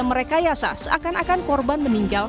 merekayasa seakan akan korban meninggal